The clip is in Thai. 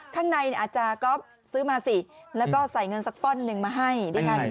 ข้างในอาจารย์ก็ซื้อมาสิแล้วก็ใส่เงินสักฟ่อนหนึ่งมาให้ดิฉัน